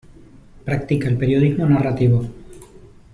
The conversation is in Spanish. Practica el periodismo narrativo.